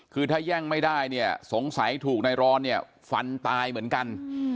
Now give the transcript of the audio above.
คือถ้าย่งไม่ได้สงสัยถูกนายรอนฟันตายเหมือนกัน